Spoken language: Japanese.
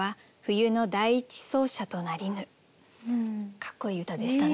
かっこいい歌でしたね。